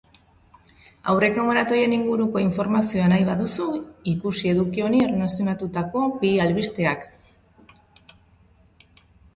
Aurreko maratoien inguruko informazioa nahi baduzu, ikusi eduki honi erlazionatutako bi albisteak.